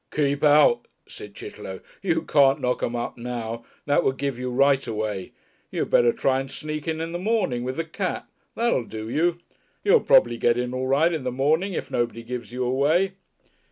"Keep out," said Chitterlow. "You can't knock 'em up now that would give you Right away. You'd better try and sneak in in the morning with the Cat. That'll do you. You'll probably get in all right in the morning if nobody gives you away."